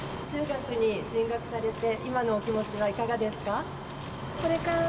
中学に進学されて、今のお気持ちはいかがですか？